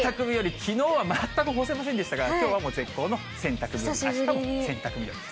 きのうは全く干せませんでしたから、きょうは絶好の洗濯日和、あしたも洗濯日和です。